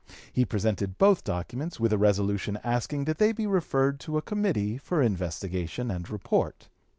He presented both documents, with a resolution asking that they be referred to a committee for investigation and report.